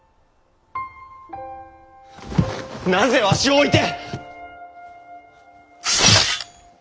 なぜわしを置いて！